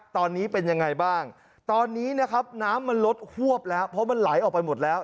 ตอนนี้เป็นยังไงบ้างตอนนี้นะครับน้ำมันลดหวบแล้วเพราะมันไหลออกไปหมดแล้ว